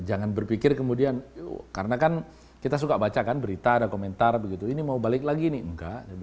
jangan berpikir kemudian karena kan kita suka baca kan berita ada komentar begitu ini mau balik ke politik tidak ada target menjadi pejabat publik apapun